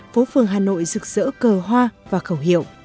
phố phường hà nội rực rỡ cờ hoa và khẩu hiệu